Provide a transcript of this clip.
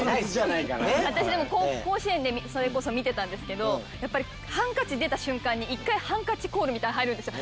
私でも甲子園でそれこそ見てたんですけどやっぱりハンカチ出た瞬間に１回ハンカチコールみたいなの入るんですよ。